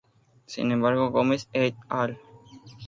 Sin embargo, Gómez et al.